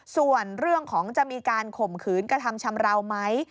ส่วนเรื่องของจะมีการข่มขืนกระทำชำราวไหม